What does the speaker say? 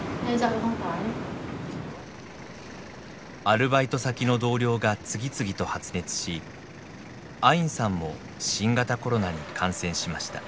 アルバイト先の同僚が次々と発熱しアインさんも新型コロナに感染しました。